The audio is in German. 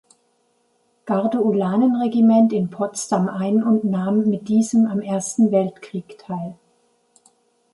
Garde-Ulanen-Regiment in Potsdam ein und nahm mit diesem am Ersten Weltkrieg teil.